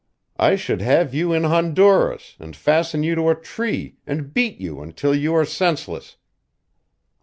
I should have you in Honduras, and fasten you to a tree and beat you until you are senseless."